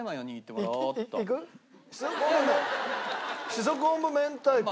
しそ昆布明太子？